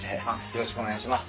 よろしくお願いします。